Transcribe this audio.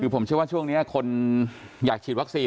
ผมเชื่อว่าช่วงนี้คนอยากฉีดวัคซีน